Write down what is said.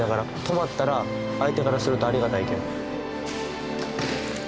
止まったら相手からするとありがたいけん。